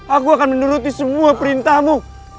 aku akan menuruti semua perintahmu